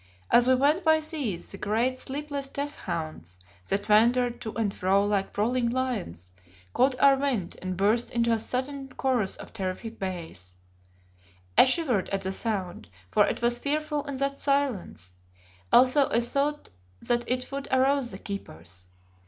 As we went by these, the great, sleepless death hounds, that wandered to and fro like prowling lions, caught our wind and burst into a sudden chorus of terrific bays. I shivered at the sound, for it was fearful in that silence, also I thought that it would arouse the keepers.